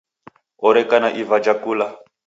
Oreka na iva ja kula.